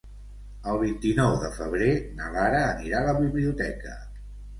El vint-i-nou de febrer na Lara anirà a la biblioteca.